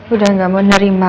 udah gak mau nerima